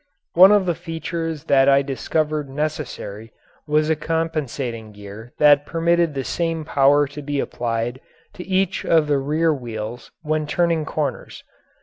One of the features that I discovered necessary was a compensating gear that permitted the same power to be applied to each of the rear wheels when turning corners.